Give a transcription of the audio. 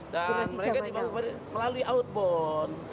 dan mereka melalui outbound